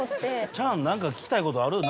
チャン何か聞きたいことある？